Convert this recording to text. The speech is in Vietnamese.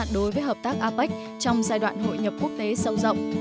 đối với hợp tác apec trong giai đoạn hội nhập quốc tế sâu rộng